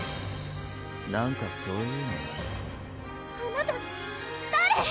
なんかそういうのあなた誰？